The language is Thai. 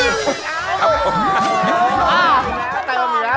เติมอยู่แล้วเติมอยู่แล้ว